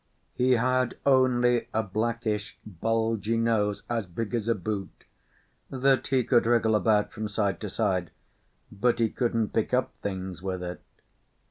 He had only a blackish, bulgy nose, as big as a boot, that he could wriggle about from side to side; but he couldn't pick up things with it.